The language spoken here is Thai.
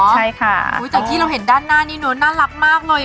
อ๋อเหรอจากที่เราเห็นด้านหน้านี่นู้นน่ารักมากเลย